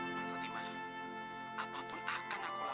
dan fatimah apapun akan aku lakuin untuk lo